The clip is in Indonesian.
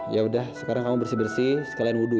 yaudah sekarang kamu bersih bersih sekalian wudhu ya